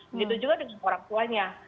begitu juga dengan orang tuanya